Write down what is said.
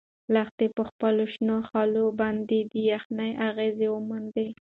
لښتې په خپلو شنو خالونو باندې د یخنۍ اغیز وموند.